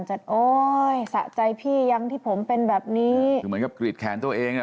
โอ๊ยสะใจพี่ยังที่ผมเป็นแบบนี้คือเหมือนกับกรีดแขนตัวเองอ่ะ